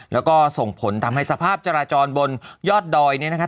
แล้วก็ส่งผลทำให้สภาพจราจรบนยอดดอยเนี่ยนะครับ